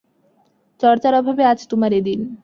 চর্চার অভাবে আজ তোমার এ দিন!